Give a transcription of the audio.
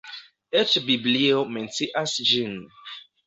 Eĉ Biblio mencias ĝin.